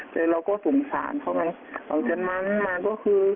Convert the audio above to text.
แต่เราก็สงสารเขาไงหลังจากนั้นมาก็คือ